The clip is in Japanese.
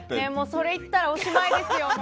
それ言ったらおしまいですよ